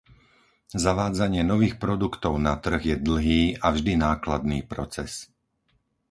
Zavádzanie nových produktov na trh je dlhý a vždy nákladný proces.